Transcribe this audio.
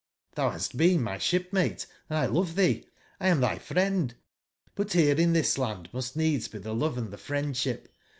TIbou bast been my sbipmate and X love tbee, 1 am tby friend ; but bere in tbis land must needs be tbe love and tbe friendsbip.